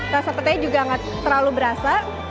rasa petenya juga gak terlalu berasa